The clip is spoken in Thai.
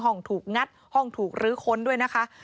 ถูกงัดห้องถูกลื้อค้นด้วยนะคะ